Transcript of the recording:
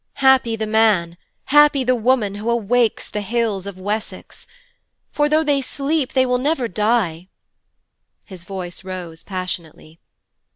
Happy the man, happy the woman, who awakes the hills of Wessex. For though they sleep, they will never die.' His voice rose passionately.